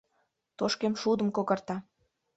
Тошкемшудым когарта.